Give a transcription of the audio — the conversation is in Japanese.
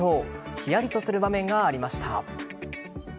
ヒヤリとする場面がありました。